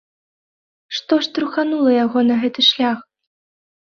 Што штурханула яго на гэты шлях?